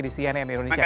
di cnn indonesia